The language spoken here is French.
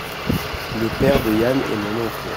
le père de Yann est mon oncle.